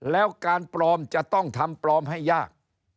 แล้วการปลอมจะต้องทำปลอมให้ยาก